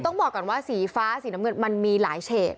ต้องบอกก่อนว่าสีฟ้าสีน้ำเงินมันมีหลายเฉด